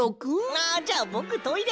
あじゃあぼくトイレ！